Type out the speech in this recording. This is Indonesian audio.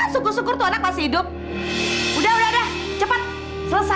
kalau kalian berdua tetap mau cari cari aja sampai dapat ya